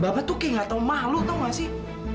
bapak tuh kayak gak tahu mahluk tahu gak sih